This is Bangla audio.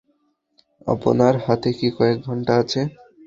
আপনার হাতে কি কয়েক ঘণ্টা আছে?